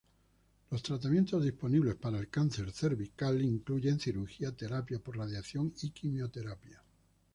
Los tratamientos disponibles para el cáncer cervical incluyen cirugía, terapia por radiación y quimioterapia.